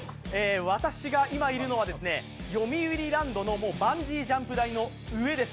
私が今いるのはよみうりランドのバンジージャンプ台の上です。